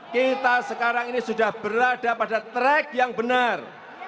kita sekarang ini sudah berada pada track yang benar